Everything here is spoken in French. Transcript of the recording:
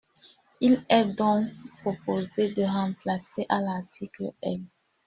Il est donc proposé de remplacer, à l’article L.